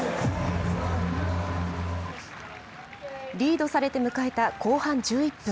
リードされて迎えた後半１１分。